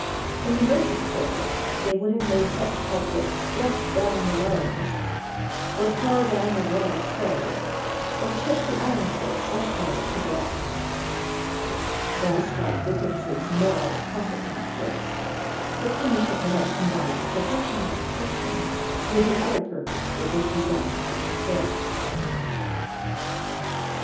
In the merchant service they would have made such culprits slush down the royalmasts, or tar down a royal stay, or chip the ironwork, or polish the brasswork. Thus, like Dickens's moral pockethand kerchiefs, the punishment would have combined pro fessional instruction with the other purpose it was designed to fulfil.